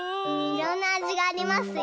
いろんなあじがありますよ。